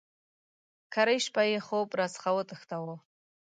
کرۍ شپه یې خوب را څخه وتښتاوه.